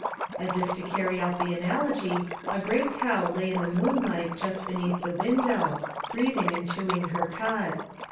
As if to carry out the analogy, a great cow lay in the moonlight just beneath the window, breathing and chewing her cud.